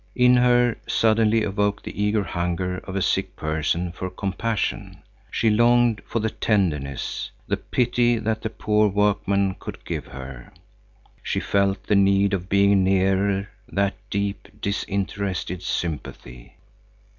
In her suddenly awoke the eager hunger of a sick person for compassion. She longed for the tenderness, the pity that the poor workman could give her. She felt the need of being near that deep, disinterested sympathy.